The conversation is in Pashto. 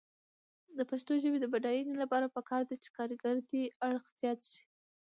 د پښتو ژبې د بډاینې لپاره پکار ده چې کارکردي اړخ زیات شي.